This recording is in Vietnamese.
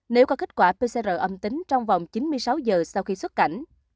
nếu có kết quả pcr âm tính trong vòng chín mươi sáu giờ sau khi xuất cảnh